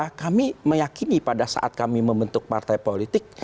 karena kami meyakini pada saat kami membentuk partai politik